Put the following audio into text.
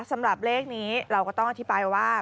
สำหรับเลขนี้เราก็ต้องอธิบายว่า